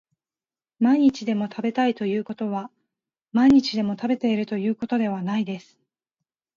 毎日でも食べたいということは毎日でも食べているということではないです